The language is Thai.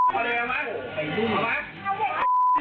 ก็ไม่รู้ว่าอะไรอ่ะ